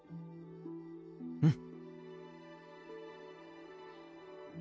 うん。